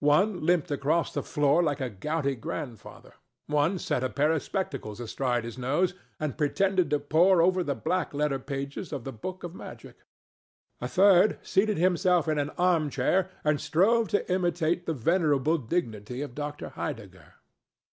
One limped across the floor like a gouty grandfather; one set a pair of spectacles astride of his nose and pretended to pore over the black letter pages of the book of magic; a third seated himself in an arm chair and strove to imitate the venerable dignity of Dr. Heidegger.